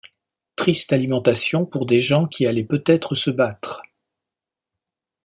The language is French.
Triste alimentation pour des gens qui allaient peut-être se battre!